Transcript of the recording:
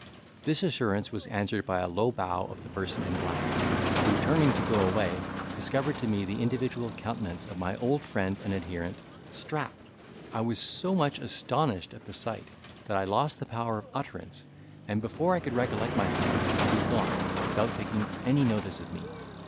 This assurance was answered by a low bow of the person in black, who, turning to go away, discovered to me the individual countenance of my old friend and adherent Strap. I was so much astonished at the sight, that I lost the power of utterance, and, before I could recollect myself, he was gone without taking any notice of me.